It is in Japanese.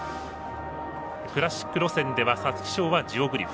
クラシック路線では皐月賞はジオグリフ。